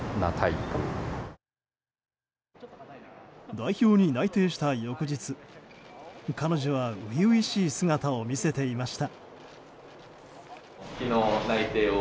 代表に内定した翌日彼女は初々しい姿を見せていました。